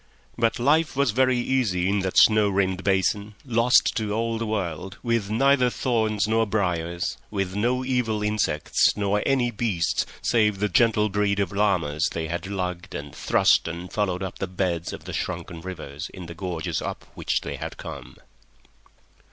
But life was very easy in that snow rimmed basin, lost to all the world, with neither thorns nor briers, with no evil insects nor any beasts save the gentle breed of llamas they had lugged and thrust and followed up the beds of the shrunken rivers in the gorges up which they had come.